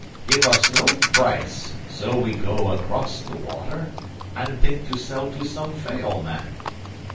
Give us no price. So we go across the water, and think to sell to some Fayal man.